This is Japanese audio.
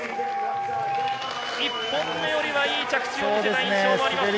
１本目よりはいい着地を見せた印象がありますが。